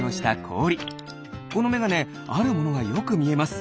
このメガネあるものがよくみえます。